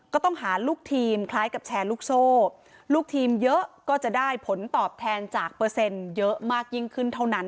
ก็ต้องหาลูกทีมคล้ายกับแชร์ลูกโซ่ลูกทีมเยอะก็จะได้ผลตอบแทนจากเปอร์เซ็นต์เยอะมากยิ่งขึ้นเท่านั้น